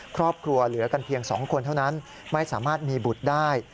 ครอบครัวเหลือกันเพียง๒คนเท่านั้นไม่สามารถมีบุตรได้